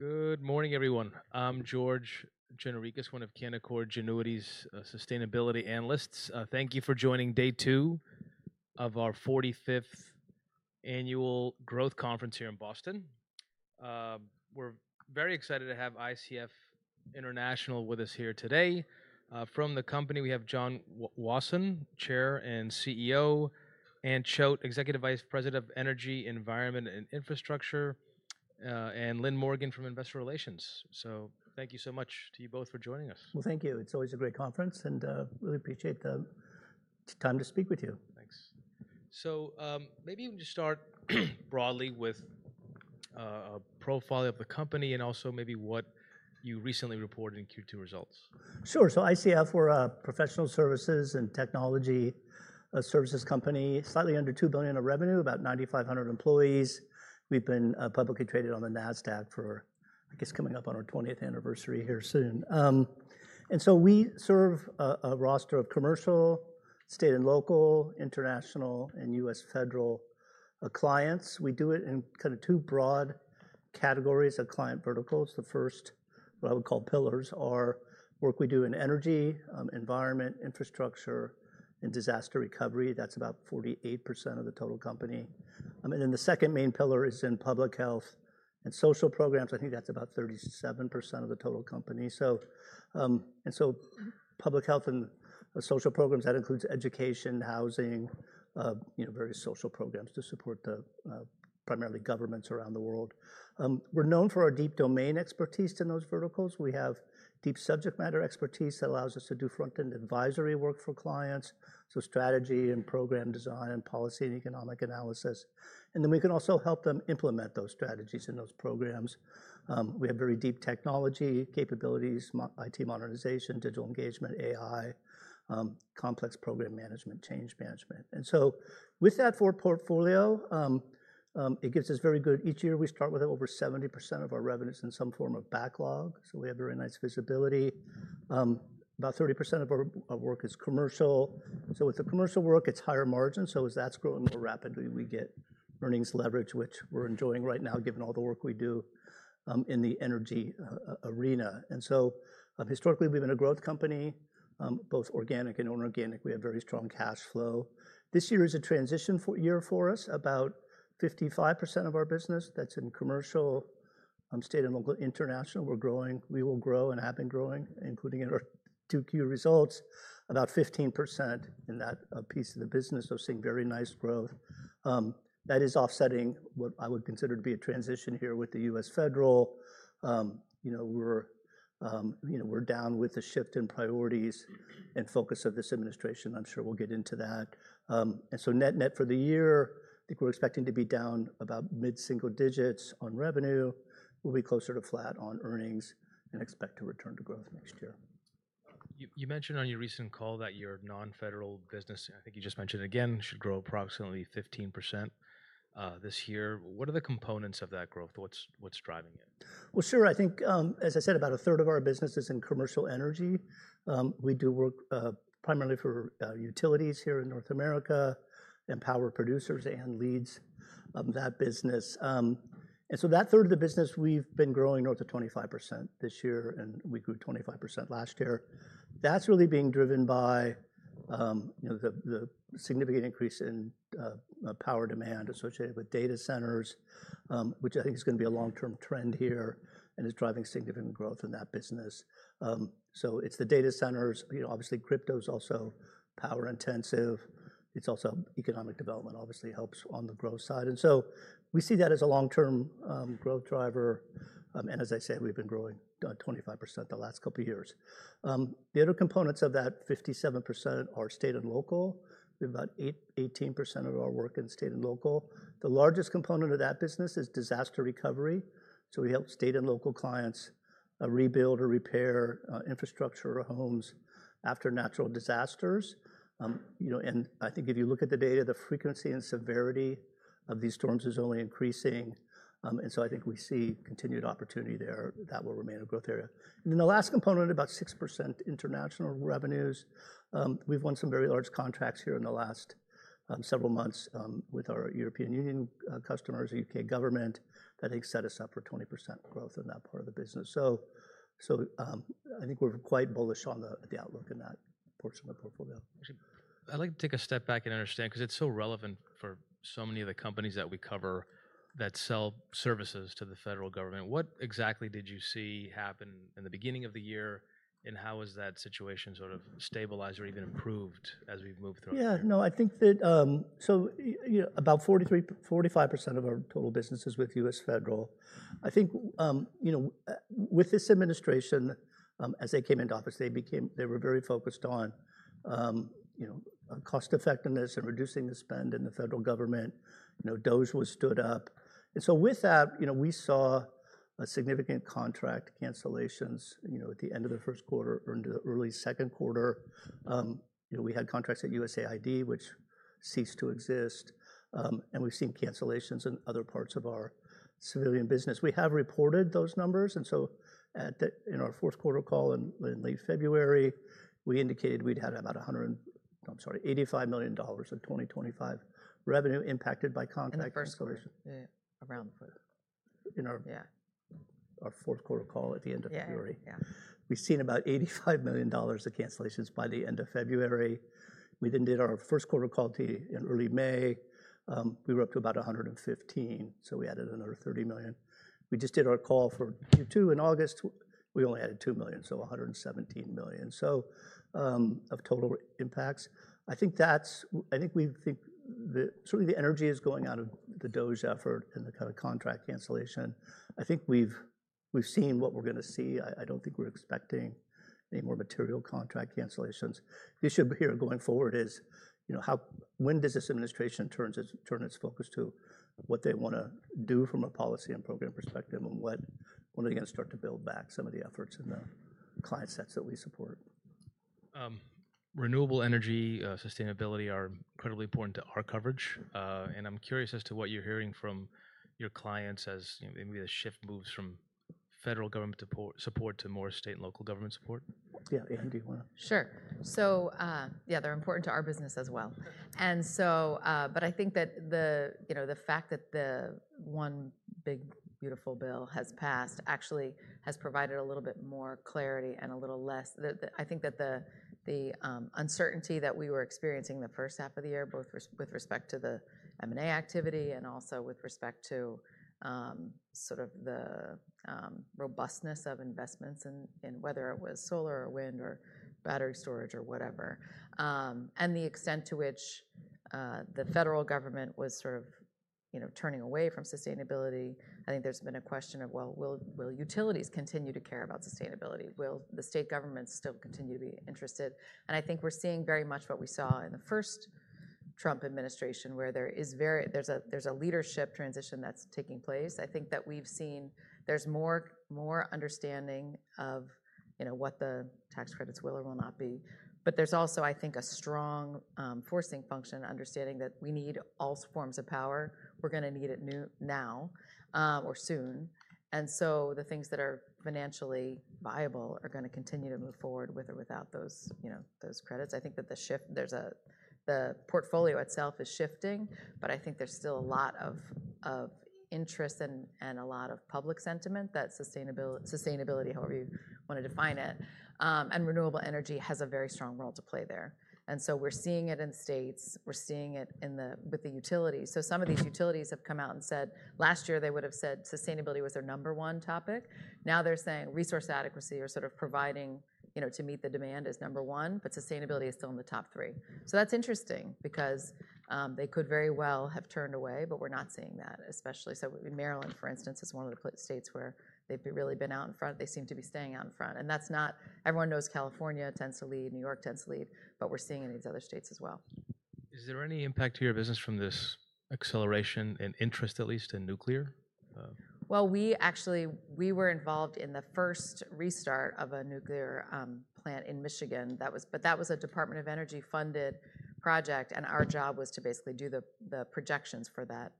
Good morning, everyone. I'm George Gianarikas, one of Canaccord Genuity's sustainability analysts. Thank you for joining day two of our 45th Annual Growth Conference here in Boston. We're very excited to have ICF International with us here today. From the company, we have John Wasson, Chair and CEO, Anne Choate, Executive Vice President of Energy, Environment, and Infrastructure, and Lynn Morgen from Investor Relations. Thank you so much to you both for joining us. Thank you. It's always a great conference, and I really appreciate the time to speak with you. Thanks. Maybe you can just start broadly with a profile of the company and also maybe what you recently reported in Q2 results. Sure. So ICF, we're a professional services and technology services company, slightly under $2 billion in revenue, about 9,500 employees. We've been publicly traded on the NASDAQ for, I guess, coming up on our 20th anniversary here soon. We serve a roster of commercial, state and local, international, and U.S. federal clients. We do it in kind of two broad categories of client verticals. The first, what I would call pillars, are work we do in energy, environment, infrastructure, and disaster recovery. That's about 48% of the total company. The second main pillar is in public health and social programs. I think that's about 37% of the total company. Public health and social programs includes education, housing, various social programs to support primarily governments around the world. We're known for our deep domain expertise in those verticals. We have deep subject matter expertise that allows us to do front-end advisory work for clients, so strategy and program design and policy and economic analysis. We can also help them implement those strategies in those programs. We have very deep technology capabilities, IT modernization, digital engagement, AI, complex program management, change management. With that portfolio, it gives us very good visibility. Each year we start with over 70% of our revenues in some form of backlog. We have very nice visibility. About 30% of our work is commercial. With the commercial work, it's higher margins. As that's growing more rapidly, we get earnings leverage, which we're enjoying right now given all the work we do in the energy arena. Historically, we've been a growth company, both organic and inorganic. We have very strong cash flow. This year is a transition year for us. About 55% of our business, that's in commercial, state and local, international. We're growing. We will grow and have been growing, including in our Q2 results, about 15% in that piece of the business. We're seeing very nice growth. That is offsetting what I would consider to be a transition here with the U.S. federal. We're down with the shift in priorities and focus of this administration. I'm sure we'll get into that. Net net for the year, I think we're expecting to be down about mid-single digits on revenue. We'll be closer to flat on earnings and expect to return to growth next year. You mentioned on your recent call that your non-federal business, I think you just mentioned again, should grow approximately 15% this year. What are the components of that growth? What's driving it? I think, as I said, about a third of our business is in commercial energy. We do work primarily for utilities here in North America and power producers and leads that business. That third of the business, we've been growing north of 25% this year, and we grew 25% last year. That's really being driven by the significant increase in power demand associated with data centers, which I think is going to be a long-term trend here and is driving significant growth in that business. It's the data centers. Obviously, crypto is also power intensive. It's also economic development, obviously helps on the growth side. We see that as a long-term growth driver. As I said, we've been growing 25% the last couple of years. The other components of that 57% are state and local. We have about 18% of our work in state and local. The largest component of that business is disaster recovery. We help state and local clients rebuild or repair infrastructure or homes after natural disasters. I think if you look at the data, the frequency and severity of these storms is only increasing. I think we see continued opportunity there that will remain a growth area. The last component, about 6% international revenues. We've won some very large contracts here in the last several months with our European Union customers, the U.K. government, that they set us up for 20% growth in that part of the business. I think we're quite bullish on the outlook in that portion of the portfolio. I'd like to take a step back and understand because it's so relevant for so many of the companies that we cover that sell services to the federal government. What exactly did you see happen in the beginning of the year, and how has that situation sort of stabilized or even improved as we've moved through? Yeah, no, I think that so about 45% of our total business is with U.S. federal. I think with this administration, as they came into office, they were very focused on cost effectiveness and reducing the spend in the federal government. Those were stood up. With that, we saw significant contract cancellations at the end of the first quarter or into the early second quarter. We had contracts at USAID, which ceased to exist. We've seen cancellations in other parts of our civilian business. We have reported those numbers. In our fourth quarter call in late February, we indicated we'd had about $85 million of 2025 revenue impacted by contract cancellations. The first quarter around the flip? In our fourth quarter call at the end of February. Yeah, yeah. We've seen about $85 million of cancellations by the end of February. We then did our first quarter call in early May. We were up to about $115 million, so we added another $30 million. We just did our call for Q2 in August. We only added $2 million, so $117 million of total impacts. I think that's, I think we think that certainly the energy is going out of the effort and the kind of contract cancellation. I think we've seen what we're going to see. I don't think we're expecting any more material contract cancellations. The issue here going forward is, you know, when does this administration turn its focus to what they want to do from a policy and program perspective and when are they going to start to build back some of the efforts in the client sets that we support? Renewable energy sustainability are incredibly important to our coverage. I'm curious as to what you're hearing from your clients as maybe the shift moves from federal government support to more state and local government support. Yeah, Anne, do you want to? Sure. They're important to our business as well. I think that the fact that the one big beautiful bill has passed actually has provided a little bit more clarity and a little less, I think that the uncertainty that we were experiencing the first half of the year, both with respect to the M&A activity and also with respect to the robustness of investments in whether it was solar or wind or battery storage or whatever, and the extent to which the federal government was sort of turning away from sustainability. I think there's been a question of, will utilities continue to care about sustainability? Will the state governments still continue to be interested? I think we're seeing very much what we saw in the first Trump Administration, where there's a leadership transition that's taking place. I think that we've seen there's more understanding of what the tax credits will or will not be. There's also, I think, a strong forcing function understanding that we need all forms of power. We're going to need it now or soon. The things that are financially viable are going to continue to move forward with or without those credits. I think that the shift, the portfolio itself is shifting, but I think there's still a lot of interest and a lot of public sentiment that sustainability, however you want to define it, and renewable energy has a very strong role to play there. We're seeing it in states. We're seeing it with the utilities. Some of these utilities have come out and said, last year they would have said sustainability was their number one topic. Now they're saying resource adequacy or sort of providing to meet the demand is number one, but sustainability is still in the top three. That's interesting because they could very well have turned away, but we're not seeing that, especially so in Maryland, for instance, is one of the states where they've really been out in front. They seem to be staying out in front. That's not, everyone knows California tends to lead, New York tends to lead, but we're seeing it in these other states as well. Is there any impact to your business from this acceleration in interest, at least, in nuclear? We were involved in the first restart of a nuclear plant in Michigan. That was a Department of Energy-funded project. Our job was to basically do the projections for that,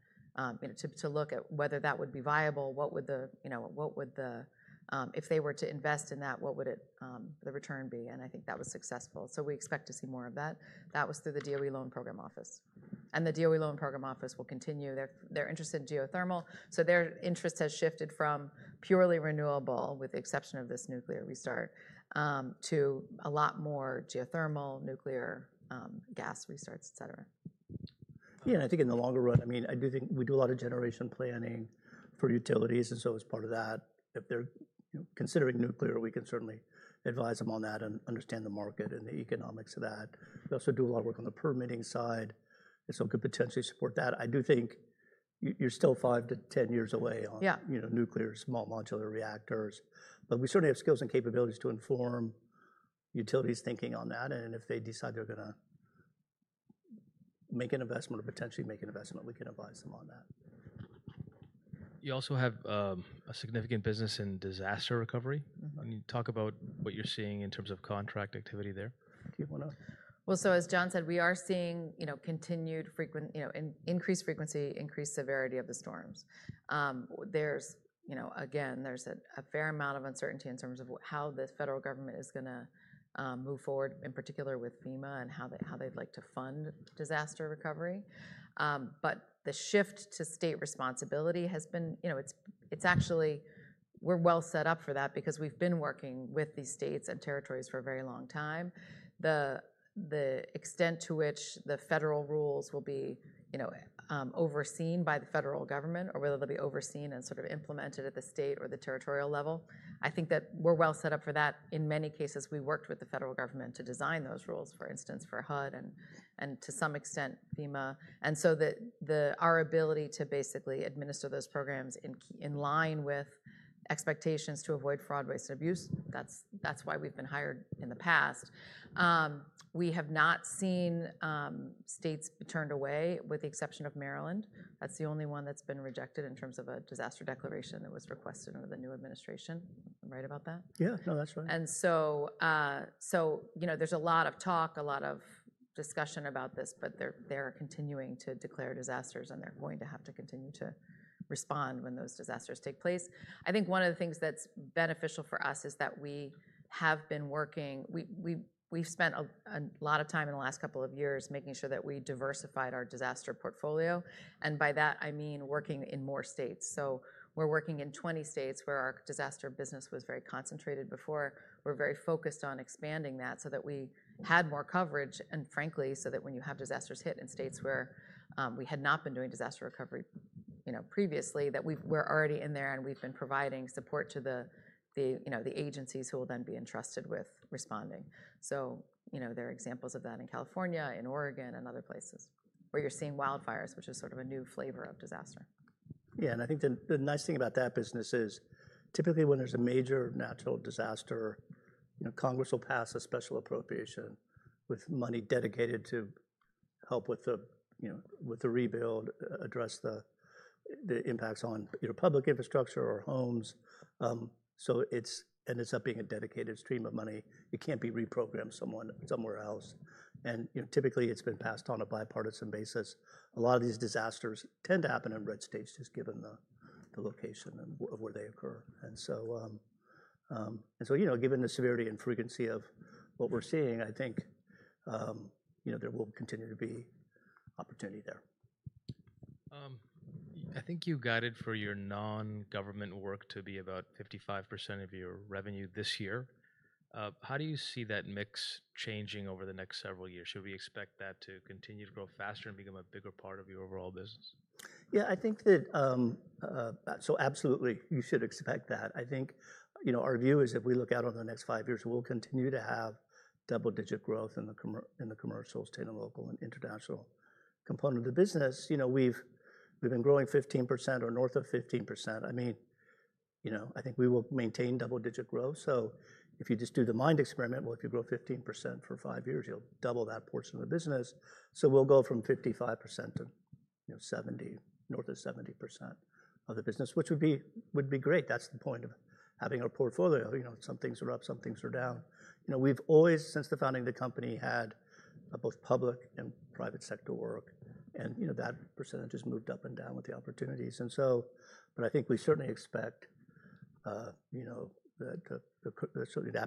you know, to look at whether that would be viable. What would the, if they were to invest in that, what would the return be? I think that was successful. We expect to see more of that. That was through the DOE Loan Program Office. The DOE Loan Program Office will continue. They're interested in geothermal. Their interest has shifted from purely renewable, with the exception of this nuclear restart, to a lot more geothermal, nuclear gas restarts, etc. Yeah, I think in the longer run, I do think we do a lot of generation planning for utilities. As part of that, if they're considering nuclear, we can certainly advise them on that and understand the market and the economics of that. We also do a lot of work on the permitting side, so we could potentially support that. I do think you're still five to ten years away on nuclear small modular reactors, but we certainly have skills and capabilities to inform utilities' thinking on that. If they decide they're going to make an investment or potentially make an investment, we can advise them on that. You also have a significant business in disaster recovery. Can you talk about what you're seeing in terms of contract activity there? As John said, we are seeing continued frequency, increased frequency, increased severity of the storms. There is a fair amount of uncertainty in terms of how the federal government is going to move forward, in particular with FEMA and how they'd like to fund disaster recovery. The shift to state responsibility has been, you know, it's actually, we're well set up for that because we've been working with these states and territories for a very long time. The extent to which the federal rules will be overseen by the federal government or whether they'll be overseen and implemented at the state or the territorial level, I think that we're well set up for that. In many cases, we worked with the federal government to design those rules, for instance, for HUD and to some extent FEMA. Our ability to basically administer those programs in line with expectations to avoid fraud, waste, and abuse, that's why we've been hired in the past. We have not seen states turned away, with the exception of Maryland. That's the only one that's been rejected in terms of a disaster declaration that was requested under the new administration. I'm right about that? Yeah, no, that's fine. There is a lot of talk, a lot of discussion about this, but they're continuing to declare disasters, and they're going to have to continue to respond when those disasters take place. I think one of the things that's beneficial for us is that we have been working, we've spent a lot of time in the last couple of years making sure that we diversified our disaster portfolio. By that, I mean working in more states. We're working in 20 states where our disaster business was very concentrated before. We're very focused on expanding that so that we had more coverage and, frankly, so that when you have disasters hit in states where we had not been doing disaster recovery previously, we're already in there and we've been providing support to the agencies who will then be entrusted with responding. There are examples of that in California, in Oregon, and other places where you're seeing wildfires, which is sort of a new flavor of disaster. Yeah, I think the nice thing about that business is typically when there's a major natural disaster, Congress will pass a special appropriation with money dedicated to help with the rebuild, address the impacts on either public infrastructure or homes. It ends up being a dedicated stream of money. It can't be reprogrammed somewhere else. Typically, it's been passed on a bipartisan basis. A lot of these disasters tend to happen in red states, just given the location of where they occur. Given the severity and frequency of what we're seeing, I think there will continue to be opportunity there. I think you guided for your non-government work to be about 55% of your revenue this year. How do you see that mix changing over the next several years? Should we expect that to continue to grow faster and become a bigger part of your overall business? Yeah, I think that, so absolutely, you should expect that. I think, you know, our view is if we look out over the next five years, we'll continue to have double-digit growth in the commercial, state and local, and international component of the business. You know, we've been growing 15% or north of 15%. I mean, you know, I think we will maintain double-digit growth. If you just do the mind experiment, if you grow 15% for five years, you'll double that portion of the business. We'll go from 55%-70%, north of 70% of the business, which would be great. That's the point of having our portfolio. Some things are up, some things are down. We've always, since the founding of the company, had both public and private sector work. That percentage has moved up and down with the opportunities. I think we certainly expect that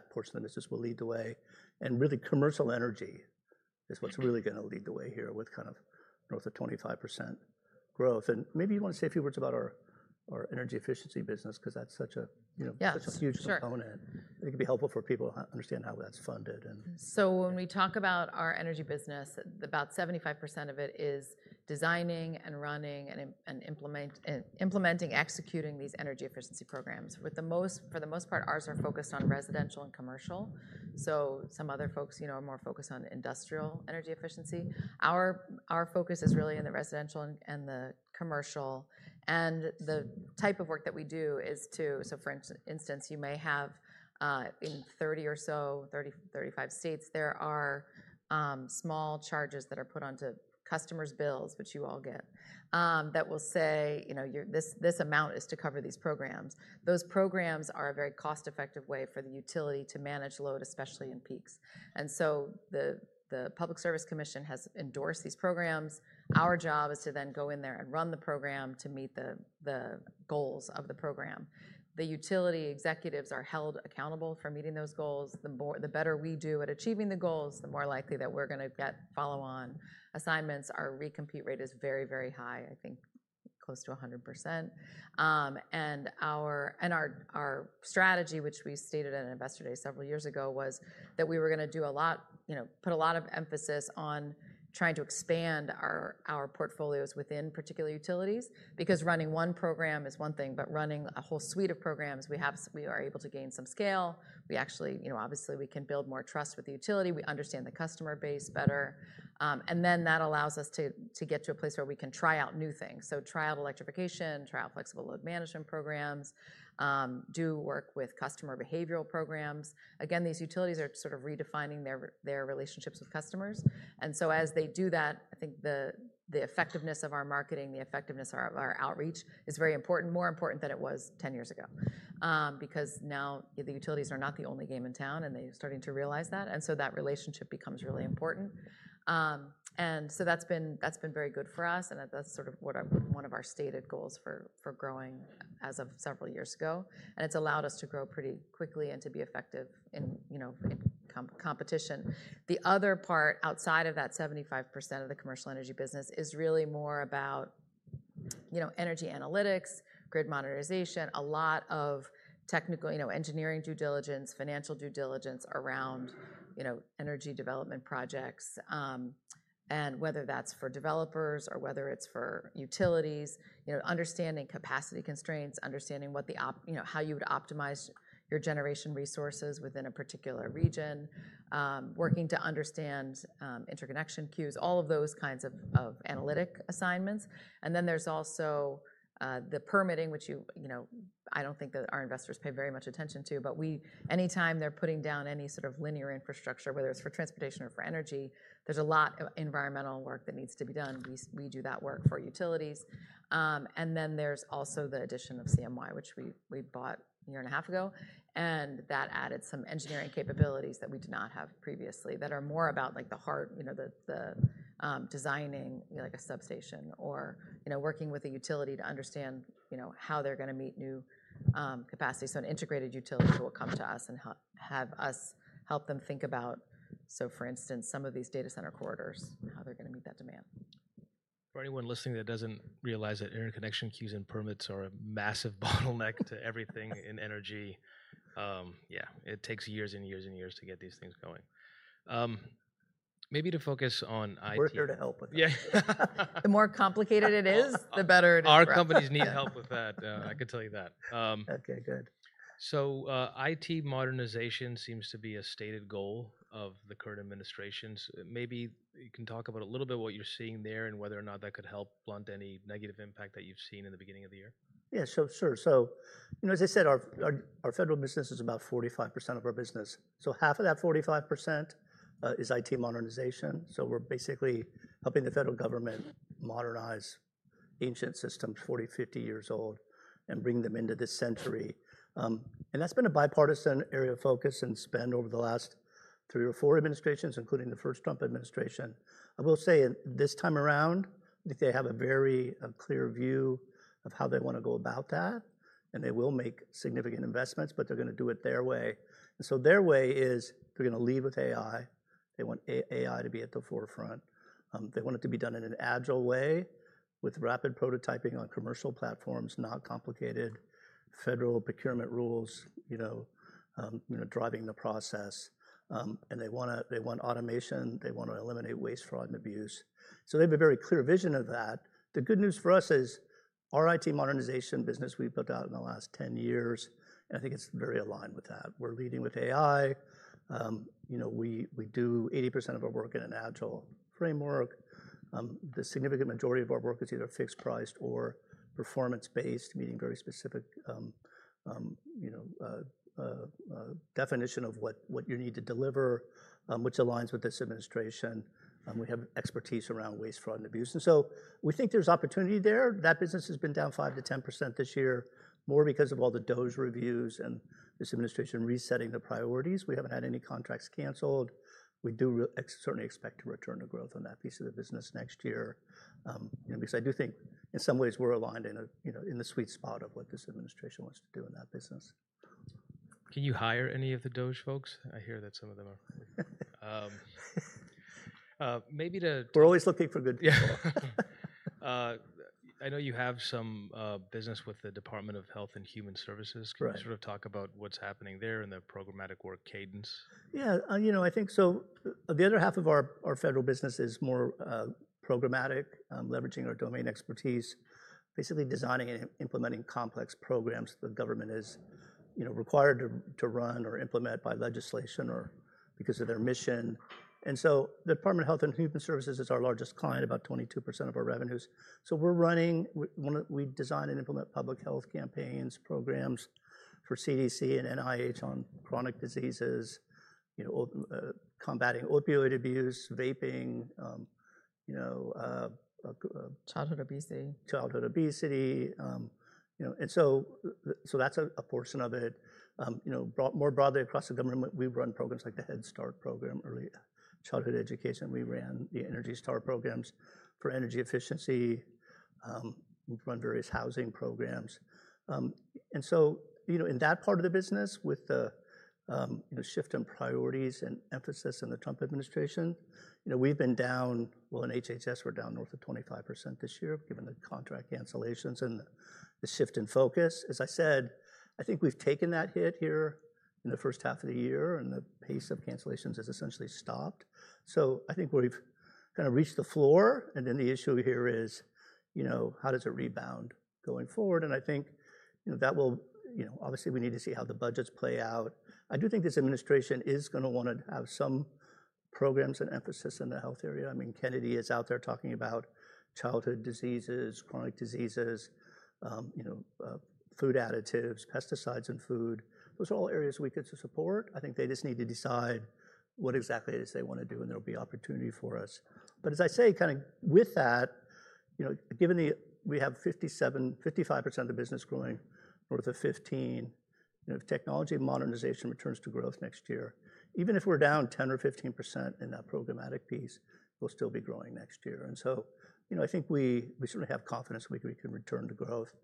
portion of the business will lead the way. Really, commercial energy is what's really going to lead the way here with kind of north of 25% growth. Maybe you want to say a few words about our energy efficiency business because that's such a huge component. It could be helpful for people to understand how that's funded. When we talk about our energy business, about 75% of it is designing, running, implementing, and executing these energy efficiency programs. For the most part, ours are focused on residential and commercial. Some other folks are more focused on industrial energy efficiency. Our focus is really in the residential and the commercial. The type of work that we do is, for instance, you may have in 30 or so, 30, 35 states, there are small charges that are put onto customers' bills, which you all get, that will say this amount is to cover these programs. Those programs are a very cost-effective way for the utility to manage load, especially in peaks. The Public Service Commission has endorsed these programs. Our job is to then go in there and run the program to meet the goals of the program. The utility executives are held accountable for meeting those goals. The better we do at achieving the goals, the more likely that we're going to get follow-on assignments. Our recompute rate is very, very high, I think close to 100%. Our strategy, which we stated at an investor day several years ago, was that we were going to put a lot of emphasis on trying to expand our portfolios within particular utilities because running one program is one thing, but running a whole suite of programs, we are able to gain some scale. We actually can build more trust with the utility. We understand the customer base better. That allows us to get to a place where we can try out new things, try out electrification, try out flexible load management programs, do work with customer behavioral programs. These utilities are sort of redefining their relationships with customers. As they do that, I think the effectiveness of our marketing, the effectiveness of our outreach is very important, more important than it was 10 years ago. Now the utilities are not the only game in town, and they're starting to realize that. That relationship becomes really important. That's been very good for us. That's one of our stated goals for growing as of several years ago. It's allowed us to grow pretty quickly and to be effective in competition. The other part outside of that 75% of the commercial energy business is really more about energy analytics, grid modernization, a lot of technical engineering due diligence, financial due diligence around energy development projects. Whether that's for developers or whether it's for utilities, understanding capacity constraints, understanding how you would optimize your generation resources within a particular region, working to understand interconnection queues, all of those kinds of analytic assignments. There's also the permitting, which I don't think that our investors pay very much attention to, but anytime they're putting down any sort of linear infrastructure, whether it's for transportation or for energy, there's a lot of environmental work that needs to be done. We do that work for utilities. There's also the addition of CMY, which we bought a year and a half ago. That added some engineering capabilities that we did not have previously that are more about the hard designing, like a substation or working with a utility to understand how they're going to meet new capacity. An integrated utility will come to us and have us help them think about, for instance, some of these data center corridors and how they're going to meet that demand. For anyone listening that doesn't realize that interconnection queues and permits are a massive bottleneck to everything in energy, it takes years and years and years to get these things going. Maybe to focus on IT. We're here to help. Yeah, the more complicated it is, the better it is. Our companies need help with that. I can tell you that. Okay, good. IT modernization seems to be a stated goal of the current administrations. Maybe you can talk about a little bit what you're seeing there and whether or not that could help blunt any negative impact that you've seen in the beginning of the year. Yeah, sure. As I said, our federal business is about 45% of our business. Half of that 45% is IT modernization. We're basically helping the federal government modernize ancient systems, 40-50 years old, and bring them into this century. That has been a bipartisan area of focus and spend over the last three or four administrations, including the first Trump Administration. I will say this time around, I think they have a very clear view of how they want to go about that. They will make significant investments, but they're going to do it their way. Their way is they're going to lead with AI. They want AI to be at the forefront. They want it to be done in an agile way with rapid prototyping on commercial platforms, not complicated federal procurement rules driving the process. They want automation. They want to eliminate waste, fraud, and abuse. They have a very clear vision of that. The good news for us is our IT modernization business we've built out in the last 10 years, I think it's very aligned with that. We're leading with AI. We do 80% of our work in an agile framework. The significant majority of our work is either fixed priced or performance-based, meaning very specific definition of what you need to deliver, which aligns with this administration. We have expertise around waste, fraud, and abuse. We think there's opportunity there. That business has been down 5%-10% this year, more because of all the DOGE reviews and this administration resetting the priorities. We haven't had any contracts canceled. We do certainly expect to return to growth on that piece of the business next year because I do think in some ways we're aligned in the sweet spot of what this administration wants to do in that business. Can you hire any of the DOGE folks? I hear that some of them are, maybe too. We're always looking for good, yeah. I know you have some business with the Department of Health and Human Services. Can you sort of talk about what's happening there in the programmatic work cadence? Yeah, I think so. The other half of our federal business is more programmatic, leveraging our domain expertise, basically designing and implementing complex programs that the government is required to run or implement by legislation or because of their mission. The Department of Health and Human Services is our largest client, about 22% of our revenues. We're running, we design and implement public health campaigns, programs for CDC and NIH on chronic diseases, combating opioid abuse, vaping. Childhood obesity. Childhood obesity, you know, and so that's a portion of it. More broadly across the government, we run programs like the Head Start program, early childhood education. We ran the Energy Star programs for energy efficiency. We've run various housing programs. In that part of the business, with the shift in priorities and emphasis in the Trump administration, we've been down, in the Department of Health and Human Services, we're down north of 25% this year, given the contract cancellations and the shift in focus. As I said, I think we've taken that hit here in the first half of the year, and the pace of cancellations has essentially stopped. I think we've kind of reached the floor. The issue here is, how does it rebound going forward? I think that will, obviously we need to see how the budgets play out. I do think this administration is going to want to have some programs and emphasis in the health area. I mean, Kennedy is out there talking about childhood diseases, chronic diseases, food additives, pesticides in food. Those are all areas we could support. I think they just need to decide what exactly it is they want to do, and there'll be opportunity for us. As I say, with that, given that we have 57%, 55% of the business growing north of 15%, if technology and modernization returns to growth next year, even if we're down 10% or 15% in that programmatic piece, we'll still be growing next year. I think we certainly have confidence we can return to growth,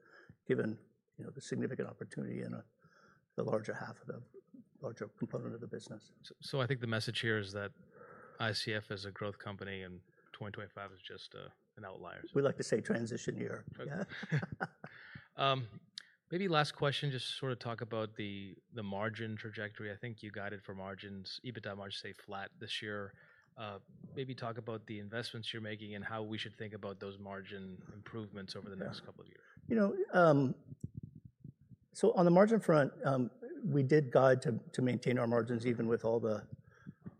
given the significant opportunity in the larger half of the larger component of the business. I think the message here is that ICF International is a growth company, and 2025 is just an outlier. We like to say transition year. Maybe last question, just to sort of talk about the margin trajectory. I think you guided for margins, EBITDA margins, stay flat this year. Maybe talk about the investments you're making and how we should think about those margin improvements over the next couple of years. On the margin front, we did guide to maintain our margins even with all the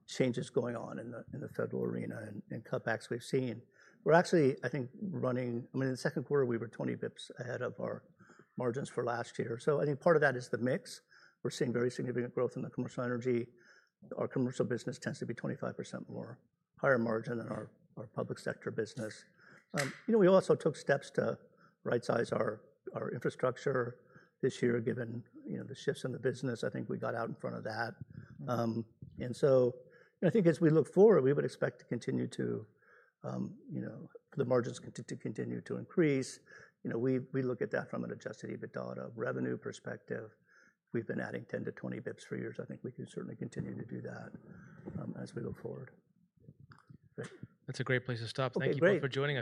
changes going on in the federal arena and cutbacks we've seen. We're actually, I think, running, I mean, in the second quarter, we were 20 bps ahead of our margins for last year. I think part of that is the mix. We're seeing very significant growth in the commercial energy. Our commercial business tends to be 25% higher margin than our public sector business. We also took steps to right-size our infrastructure this year, given the shifts in the business. I think we got out in front of that. As we look forward, we would expect the margins to continue to increase. We look at that from an adjusted EBITDA out of revenue perspective. We've been adding 10-20 bps for years. I think we can certainly continue to do that as we go forward. That's a great place to stop. Thank you for joining.